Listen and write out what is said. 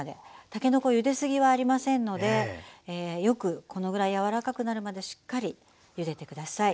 たけのこゆで過ぎはありませんのでよくこのぐらい柔らかくなるまでしっかりゆでてください。